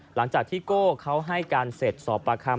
หลังจากที่กเขาให้การเศษสอบประคัม